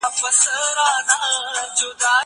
زه مړۍ نه خورم.